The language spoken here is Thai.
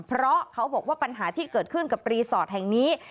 เพราะเขาบอกว่าปัญหาที่เกิดขึ้นกับรีสอร์ทแห่งนี้